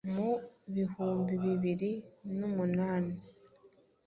Mu bihumbi bibiri numunani